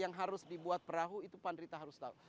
yang harus dibuat perahu itu pan rita harus tahu